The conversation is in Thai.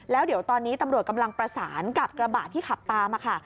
แล้วเดี๋ยวตอนนี้ตำรวจกำลังประสานกับกระบะที่ขับตามมาค่ะ